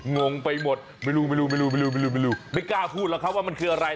งงไปหมดไม่รู้ไม่กล้าพูดหรอกครับว่ามันคืออะไร